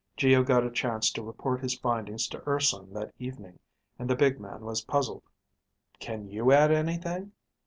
Geo got a chance to report his findings to Urson that evening and the big man was puzzled. "Can you add anything?"